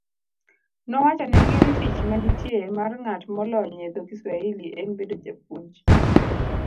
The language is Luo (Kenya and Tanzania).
Nowachnigi ni tich manitie mar ng'at molonye dho Kiswahili en bedo japuonj